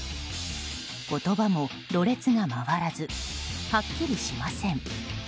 言葉もろれつが回らずはっきりしません。